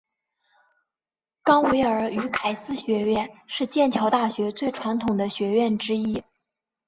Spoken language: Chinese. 冈维尔与凯斯学院是剑桥大学最传统的学院之一。